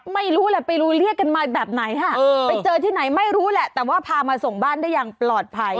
ไม่รู้แหละไปรู้เรียกกันมาแบบไหนค่ะไปเจอที่ไหนไม่รู้แหละแต่ว่าพามาส่งบ้านได้อย่างปลอดภัย